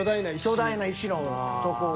巨大な石のとこで。